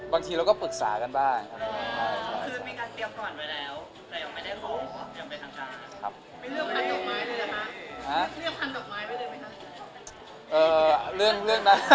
บางทีเราก็ปรึกษากันบ้างครับ